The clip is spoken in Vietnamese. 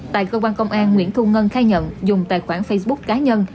tại cơ quan công an nguyễn thu ngân khai nhận dùng tài khoản facebook cá nhân